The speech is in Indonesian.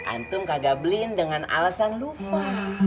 antum kagak beliin dengan alasan lupa